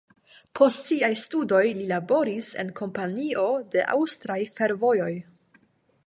Post siaj studoj li laboris en Kompanio de Aŭstraj Fervojoj.